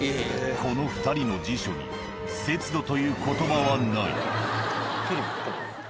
この２人の辞書に「節度」という言葉はない。